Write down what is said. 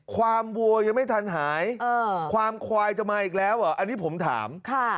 ความวัวยังไม่ทันหายความควายจะมาอีกแล้วเหรออันนี้ผมถาม